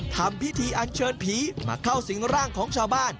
ทำพิธีอันเชิญผีมาเข้าสิงร่างของชาวบ้าน